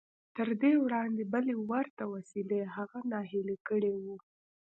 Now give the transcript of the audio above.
تر دې وړاندې بلې ورته وسیلې هغه ناهیلی کړی و